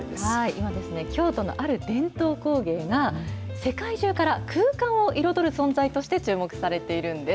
今京都のある伝統工芸が、世界中から、空間を彩る存在として、注目されているんです。